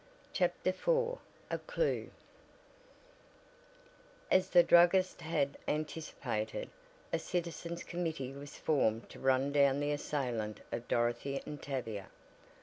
CHAPTER IV A CLEW As the druggist had anticipated, a citizens' committee was formed to run down the assailant of Dorothy and Tavia.